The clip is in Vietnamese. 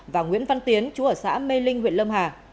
và nguyễn văn tiến chú ở xã mê linh huyện lâm hà